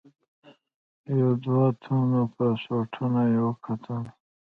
یو دوه تنو پاسپورټونه یې وکتل.